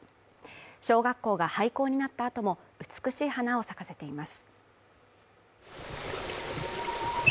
小学校が廃校になった後も、美しい花を咲かせています。